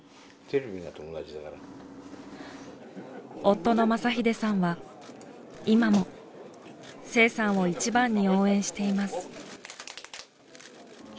夫の雅英さんは今も清さんを一番に応援しています。